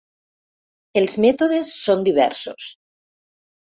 Els mètodes són diversos.